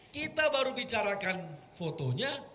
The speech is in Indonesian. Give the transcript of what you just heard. kita baru bicarakan fotonya